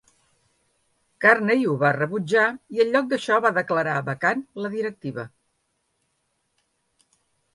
Carney ho va rebutjar i en lloc d'això va declarar vacant la directiva.